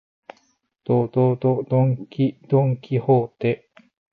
ど、ど、ど、ドンキ、ドンキホーテ